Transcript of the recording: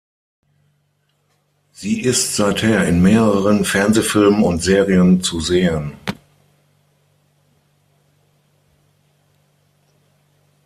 Sie ist seither in mehreren Fernsehfilmen und -serien zu sehen.